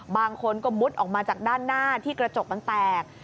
บางคนก็มุดออกมาจากด้านหน้าที่กระจกมันแตก